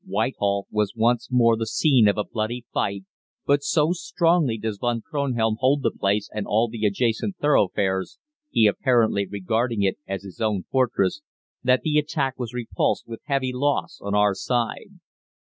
Whitehall was once more the scene of a bloody fight, but so strongly does Von Kronhelm hold the place and all the adjacent thoroughfares he apparently regarding it as his own fortress that the attack was repulsed with heavy loss on our side.